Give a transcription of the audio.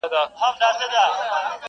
پۀ ماسومتوب كې بۀ چي خپلې مور هغه وهله